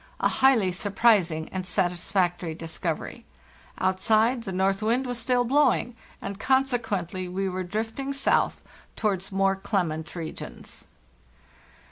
A highly surprising and satisfactory discovery. Outside, the north wind was still blowing, and consequently we were drift ing south towards more clement regions.